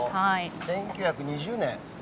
１９２０年。